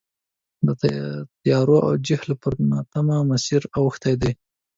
د تیارو او جهل پر ناتمامه مسیر اوښتي دي.